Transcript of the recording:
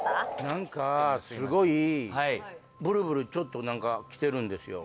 何かすごいブルブルちょっと何かきてるんですよ